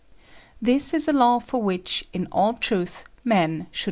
This is a law for which, in all truth, men should be grateful.